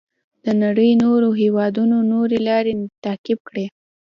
د نړۍ نورو هېوادونو نورې لارې تعقیب کړې.